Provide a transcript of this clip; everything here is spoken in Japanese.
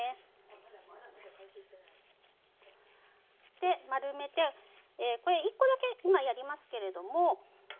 で丸めて１コだけ今やりますけれども。